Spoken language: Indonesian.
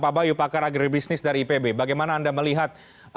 pak bayu pakar agribisnis dari ipb bagaimana anda melihat